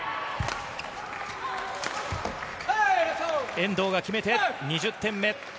遠藤が決めて、２０点目。